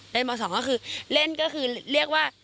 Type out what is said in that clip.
เล่นบอลสองก็คือเล่นก็คือเรียกว่า